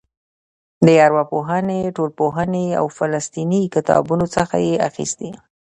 د ارواپوهنې ټولنپوهنې او فلسفې کتابونو څخه یې اخیستې.